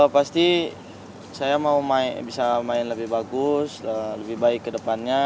pasti saya mau bisa main lebih bagus lebih baik ke depannya